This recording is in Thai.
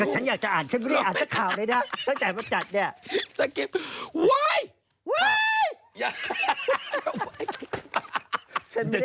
ฉันอยากจะอ่านฉันไม่ได้อ่านเป็นขาวเลย